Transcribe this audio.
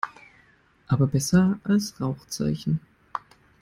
Aber besser als Rauchzeichen.